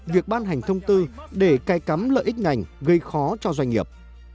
việc ban hành thông tư để cai cắm lợi ích ngành gây khó cho doanh nghiệp